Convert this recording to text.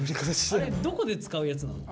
あれどこで使うやつなの？